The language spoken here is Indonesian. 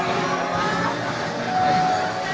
kita akan menikmati